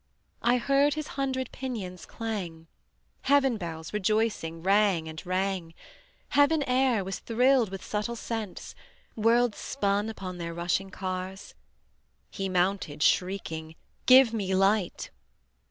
I heard his hundred pinions clang, Heaven bells rejoicing rang and rang, Heaven air was thrilled with subtle scents, Worlds spun upon their rushing cars: He mounted shrieking: "Give me light!"